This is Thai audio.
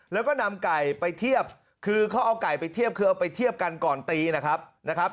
แล้วก็นำไก่ไปเทียบคือเขาเอาไก่ไปเทียบกันก่อนตีนะครับ